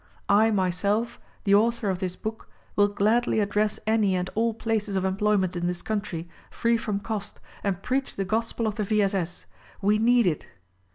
I, myself, the author of this book, will gladly address any and all places of employment in this country — free from cost — and preach the gospel of the V. S. S. We need it!